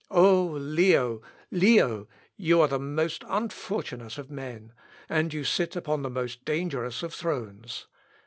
O Leo, Leo, you are the most unfortunate of men, and you sit upon the most dangerous of thrones.